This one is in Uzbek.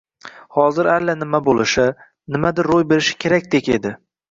Hozir allanima bo‘lishi, nimadir ro‘y berishi kerakdek edi.